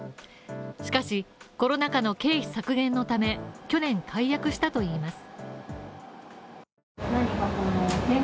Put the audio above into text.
しかし、コロナ禍の経費削減のため去年、解約したといいます。